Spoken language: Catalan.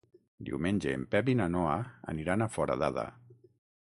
Diumenge en Pep i na Noa aniran a Foradada.